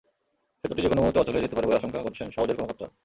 সেতুটি যেকোনো মুহূর্তে অচল হয়ে যেতে পারে বলে আশঙ্কা করছেন সওজের কর্মকর্তারা।